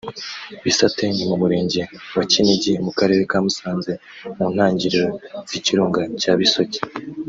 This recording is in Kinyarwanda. Bisate ni mu murenge wa Kinigi mu karere ka Musanze mu ntangiriro z’ikirunga cya Bisoke